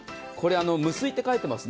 これは「無水」って書いていますね。